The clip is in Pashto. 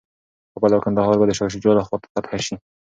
کابل او کندهار به د شاه شجاع لخوا فتح شي.